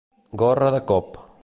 Gorra de cop.